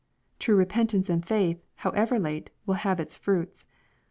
True repentance and faith, how ever late, will have its fruits.